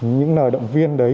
những lời động viên đấy